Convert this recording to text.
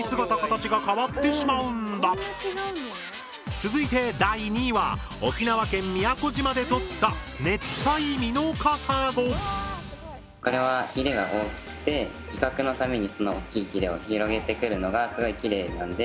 続いて第２位は沖縄県宮古島で撮ったこれはヒレが大きくて威嚇のためにその大きいヒレを広げてくるのがすごいキレイなんで。